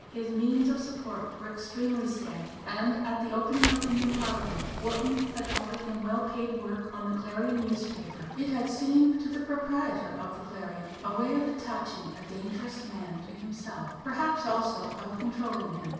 His means of support were extremely scanty, and at the opening of the new Parliament Wharton had offered him well paid work on the Clarion newspaper. It had seemed to the proprietor of the Clarion a way of attaching a dangerous man to himself, perhaps also of controlling him.